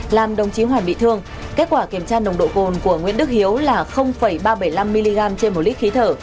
làm đồng chí hoàn bị thương kết quả kiểm tra nồng độ cồn của nguyễn đức hiếu là ba trăm bảy mươi năm mg trên một lít khí thở